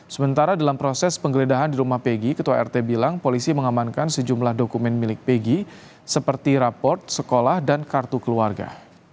sementara dalam proses penggeledahan di rumah pegi ketua rt bilang polisi mengamankan sejumlah dokumen milik pegi seperti raport sekolah dan kartu keluarga